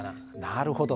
なるほど。